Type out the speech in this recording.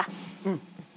うん。